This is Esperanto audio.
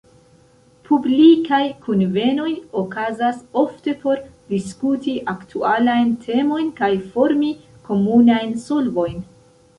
Publikaj kunvenoj okazas ofte por diskuti aktualajn temojn kaj formi komunajn solvojn.